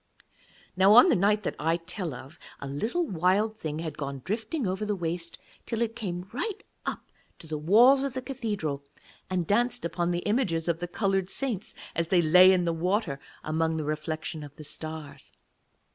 Now, on the night that I tell of, a little Wild Thing had gone drifting over the waste, till it came right up to the walls of the cathedral and danced upon the images of the coloured saints as they lay in the water among the reflection of the stars.